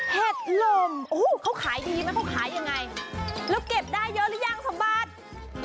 เห็ดลมโอ้โหเขาขายดีไหมเขาขายยังไงแล้วเก็บได้เยอะหรือยังสมบัติ